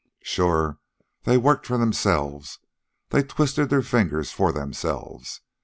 "Sure. They worked for themselves. They twisted their fingers for themselves.